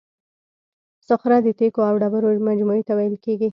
صخره د تیکو او ډبرو مجموعې ته ویل کیږي.